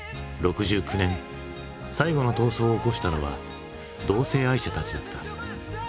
６９年最後の闘争を起こしたのは同性愛者たちだった。